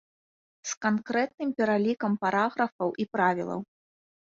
З канкрэтным пералікам параграфаў і правілаў.